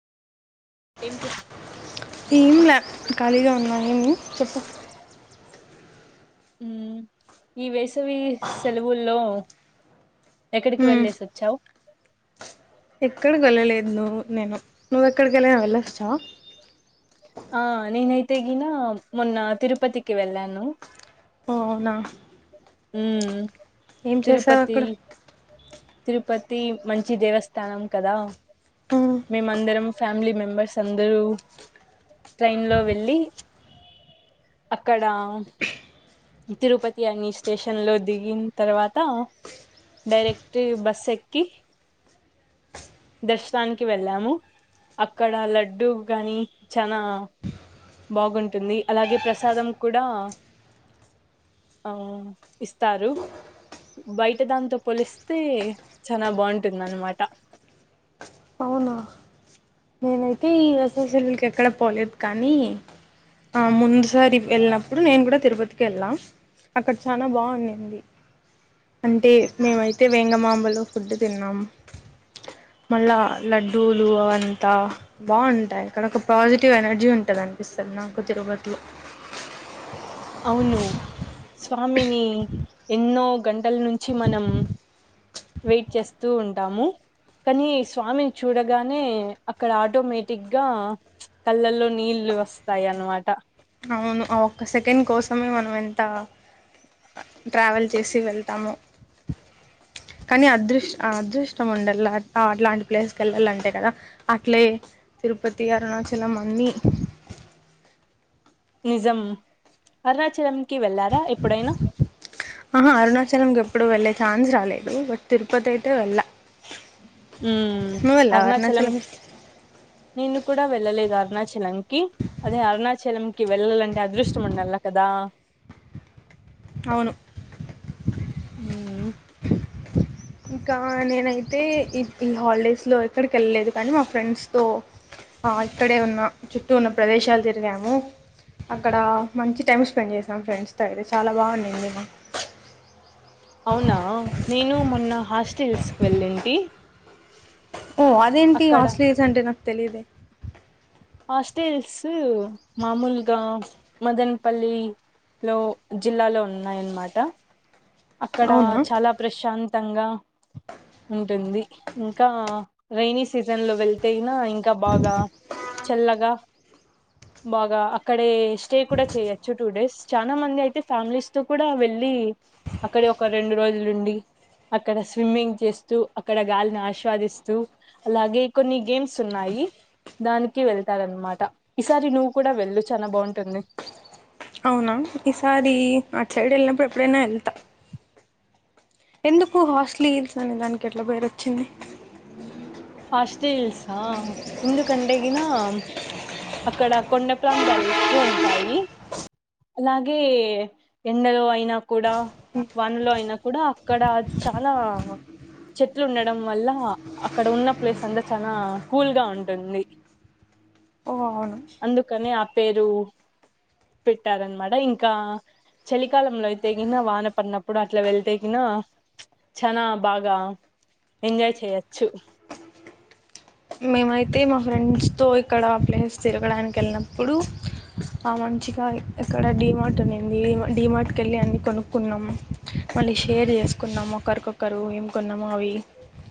ఏం చేస్త కేమ్లా ఖాళీగా ఉన్నా నువ్వు చెప్పు ఉమ్మ్ ఈ వేస్ సవి సెలవుల్లో ఎక్కడికి వెళ్లేేసి వచ్చావ్ ఎక్కడిక్ వెళ్ళలేదు నువ్వు నేను నువ్వెక్కడైకైన వెళ్లొచ్చావా ఆ నేనైతే గిన మొన్న తిరుపతికి వెళ్ళాను ఓ అవునా ఉమ్మ్ ఏం చేసావ్ అక్కడ తిరుపతి మంచి దేవస్థానం కదా ఉమ్, మేమందరం ఫ్యామిలీ మెంబర్స్ అందరూ ట్రైన్లో వెళ్ళి అక్కడ తిరుపతి అని ఇష్ స్టేషన్ లో దిగిన్ తర్వాత డైరెక్ట్ బస్ ఎక్కి దర్శనానికి వెళ్ళాము అక్కడ లడ్డు గాని చనా బాగుంటుంది అలాగే ప్రసాదం కూడా ఆ ఇస్తారు బయట దాంతో పోలిస్తే చనా బాగుంటుంది అనమాట అవునా నేనైతే ఈ వేసవి సెలవులకి ఎక్కడ పోలేదు కానీ ఆ ముందుసారి వెళ్ళినప్పుడు నేను కూడా తిరుపతికి వెళ్ళాం అక్కడ చాలా బాగుందింది అంటే మేమైతే వేంగమాంబలో ఫుడ్ తిన్నాం మళ్ళా లడ్డూలు అవంత బావుంటాయ్ అక్కడ ఒక పాజిటివ్ ఎనర్జీ ఉంటది అనిపిస్థాది నాకు తిరుపతిలో అవును స్వామిని ఎన్నో గంటల నుంచి మనం వెయిట్ చేస్తూ ఉంటాము కనీ స్వామిని చూడగానే అక్కడ ఆటోమేటిక్గా కళ్ళల్లో నీళ్ళువస్తాయి అనమాట అవును ఆ ఒక్క సెకండ్ కోసమే మనం ఎంత ట్రావెల్ చేసి వెళ్తామో కానీ అదృష్ అదృష్టం ఉండాల అట్లాంటి ప్లేస్ కి వెళ్ళాలంటే కదా అట్లే తిరుపతి అరుణాచలం అన్నీ నిజం అరుణాచలం అహా అరుణాచలంకి ఎప్పుడు వెళ్ళ ఛాన్స్ రాలేదు బట్ తిరుపతి అయితే వెళ్ళ ఉమ్మ్ నువ్వు వెళ్ళావా అరుణాచలం నేను కూడ వెళ్ళలేద్ అరుణాచలంకి అదే అరుణాచలంకి వెళ్ళాలంటే అదృష్టం ఉండలా కదా అవును ఊ మ్ ఇంకా నేనైతే ఈ ఈ హాలిడేస్లో ఎక్కడికి వెళ్ళలేదు కానీ మా ఫ్రెండ్స్తో ఆ ఇక్కడే ఉన్న చుట్టూ ఉన్న ప్రదేశాలు తిరిగాము అక్కడ మంచి టైం స్పెండ్ చేసాం ఫ్రెండ్స్తో అయితే చాలా బాగుండింది మాకు అవునా నేను మొన్న హాస్టల్స్ కి వెళ్ళెంటి ఓ అదేంటి హాస్టలియర్స్ అంటే నాక్ తెలీదె హాస్టెల్స్ మామూల్గా మదన్ పల్లి లో జిల్లాలో ఉన్నాయనమాట అక్కడ అవునా చాల ప్రశాంత్ తంగా ఉంటుంది ఇంకా రేని సీజన్ లో వెళ్తేనా ఇంక బాగా లగ బాగ అక్కడే స్టే కూడ చేయొచ్చు టూ డేస్ చానా మంది అయితే ఫ్యామిలీస్ తో కూడా వెళ్ళి అక్కడ ఒక రెండు రోజులు ఉండి అక్కడ స్విమ్మింగ్ చేస్తూ అక్కడ గాలిని ఆశ్వాదిస్తూ అలాగే కొన్ని గేమ్స్ ఉన్నాయి దాని కి వెళ్తారన్నమాట ఈసారి నువ్వు కూడా వెళ్ళు చానా బావుంటుంది అవున ఈసారి అట్ సైడ్ వెళ్ళినప్పుడు ఎప్పుడైనా వెళ్తా ఎందుకు హాస్ట్లీల్స్ అనే దానికి అట్ల పేరు ఒచ్చింది హాస్టిల్స ఆ ఎందుకంటే గిన అక్కడ కొండ ప్రాంతాలు ఎక్కువ ఉంటాయి అలాగే ఎండలో అయినా కూడ వానలో అయినా కూడా అక్కడ చాలా చెట్లు ఉండడం వల్ల అక్కడ ఉన్న ప్లేస్ అంతా చానా కూల్ గా ఉంటుంది ఓ అవును అందుకనే ఆ పేరు పెట్టారన్నమాట ఇంకా చలికాలంలో అయితే గిన వాన పడినప్పుడు అట్లా వెళ్తే గిన చీనా బాగా ఎంజాయ్ చేయచ్చ్ చ్చు మేమైతే మా ఫ్రెండ్స్తో ఇక్కడ ప్లేస్ తిరగడానికి వెళ్ళినప్పుడు ఆ మంచిగా ఇక్కడ డీమార్ట్ ఉన్నింది డీమార్ట్ కేళ్ళి అన్ని కొనుక్కున్నాం మళ్ళీ షేర్ చేసుకున్నాము ఒకరికొకరు ఏం కొన్నామో అవి